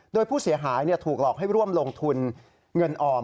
โดยผู้เสียหายถูกหลอกให้ร่วมลงทุนเงินออม